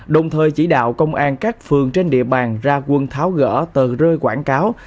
đồng thời chỉ đạo công an các phường trên địa bàn ra quân tháo gỡ tờ rơi quảng cáo